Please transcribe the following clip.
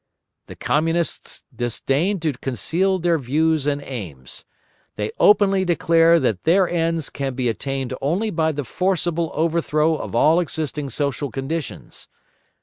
The Communists disdain to conceal their views and aims. They openly declare that their ends can be attained only by the forcible overthrow of all existing social conditions.